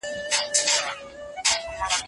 د امیندواره ښځو څارنه وکړئ.